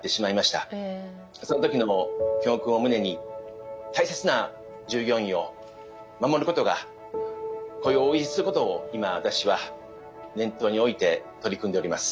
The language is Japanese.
その時の教訓を胸に大切な従業員を守ることが雇用を維持することを今私は念頭に置いて取り組んでおります。